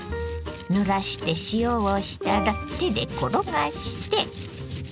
ぬらして塩をしたら手で転がして。